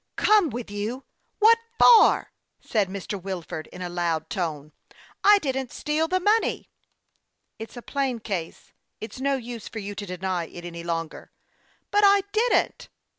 " Come with you ! What for ?" said Mr. Wilford, in' a loud tone. " I didn't steal the money." "It's a plain case. It's no use for you to deny it any longer." " But I didn't."